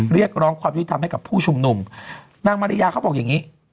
เรียกร้องความยุติธรรมให้กับผู้ชุมนุมนางมาริยาเขาบอกอย่างงี้